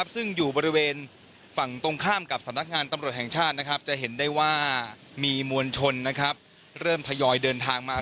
ซึ่งอยู่บริเวณฝั่งตรงข้ามกับสำนักงานตำรวจแห่งชาติจะเห็นได้ว่ามีมวลชนเริ่มทยอยเดินทางมา